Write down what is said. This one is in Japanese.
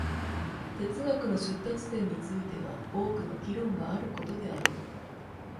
哲学の出立点については多くの議論があることであろう。